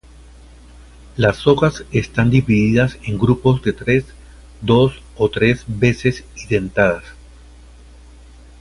Las hojas están divididas en grupos de tres dos o tres veces y dentadas.